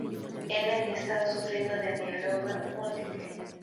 Él había estado sufriendo de mieloma múltiple.